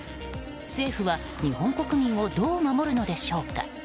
政府は、日本国民をどう守るのでしょうか。